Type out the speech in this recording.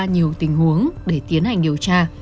nhiều tình huống để tiến hành điều tra